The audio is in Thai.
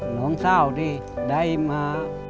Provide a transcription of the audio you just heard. หลวงเศร้าที่ได้มา